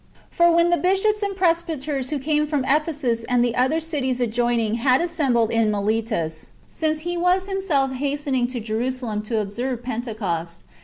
For when the bishops and presbyters who came from Ephesus and the other cities adjoining had assembled in Miletus, since he was himself hastening to Jerusalem to observe Pentecost, after ^ Acts xxi.